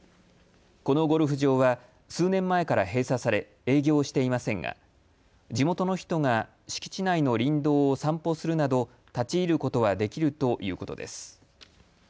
このゴルフ場は数年前から閉鎖され営業していませんが地元の人が敷地内の林道を散歩するなど立ち入ることはできるということです。